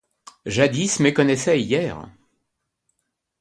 Jadis méconnaissait Hier.